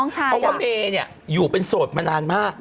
เพราะว่าเมย์อยู่เป็นโสดมานานมาก